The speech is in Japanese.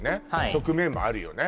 側面もあるよね